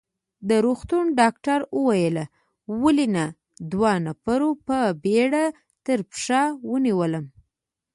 د روغتون ډاکټر وویل: ولې نه، دوو نفرو په بېړه تر پښه ونیولم.